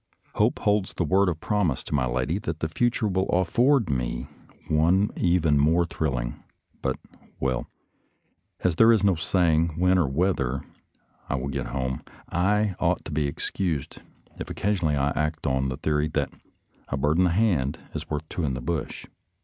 Hope holds the word of promise to my lady that the future will afford me one even more thrilling, but — well, as there is no saying when or whether I will get home, I ought to be excused if occasion ally I act on the theory that " a bird in the hand is worth two in the bush."